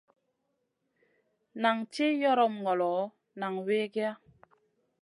Nan tih yoron ŋolo, nan wikiya.